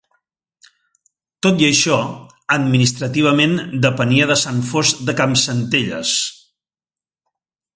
Tot i això, administrativament depenia de San Fost de Campsentelles.